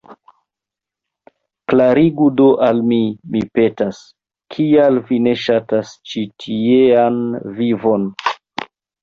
Klarigu do al mi, mi petas, kial vi ne ŝatas ĉi tiean vivon?